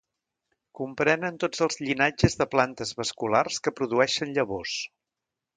Comprenen tots els llinatges de plantes vasculars que produeixen llavors.